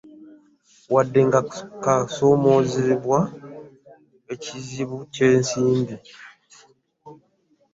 Wadde nga kasoomoozebwa ekizibu ky'ensimbi